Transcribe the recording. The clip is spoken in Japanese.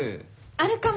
あるかも。